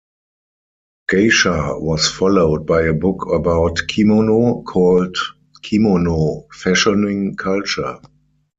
Geisha was followed by a book about kimono, called "Kimono: Fashioning Culture".